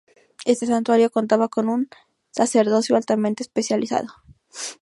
Este santuario contaba con un sacerdocio altamente especializado.